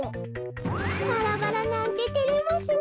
バラバラなんててれますね。